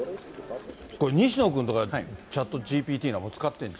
これ、西野君とか、チャットＧＰＴなんて使ってるの？